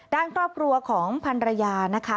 ด้านครอบครัวของพันรยานะคะ